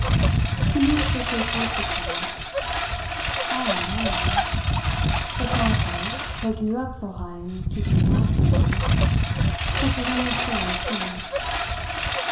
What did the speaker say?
He moved quickly towards the chair. "Tired, are you? It's my fault, taking you up so high and keeping you out so long. Such a windless day, too!"